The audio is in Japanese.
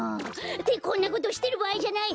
ってこんなことしてるばあいじゃない。